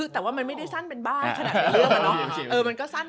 แต่ว่ามันไม่ได้สั้นเป็นบ้านขนาดเป็นเรื่องอะเนาะ